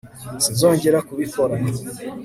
Sinzongera kubikora